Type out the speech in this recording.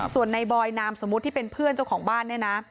ส่วนในบอยนามสมมุติที่เป็นเพื่อนเจ้าของบ้านเนี่ยนะ